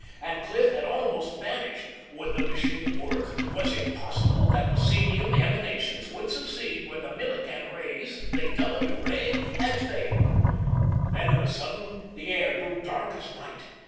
And Cliff had almost vanished. Would the machine work? Was it possible that the psenium emanations would succeed where the Millikan rays, the W ray had failed? Then of a sudden the air grew dark as night.